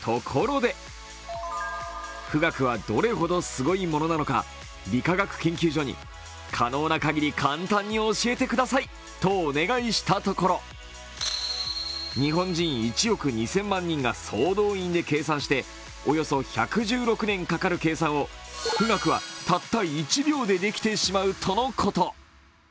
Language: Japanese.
富岳はどれほどすごいものなのか、理化学研究所に可能な限り簡単に教えてくださいとお願いしたところ日本人１億２０００万人が総動員で計算しておよそ１１６年かかる計算を富岳はたった１秒でできてしまうとのこと。